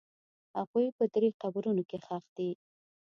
هغوی په درې قبرونو کې ښخ دي.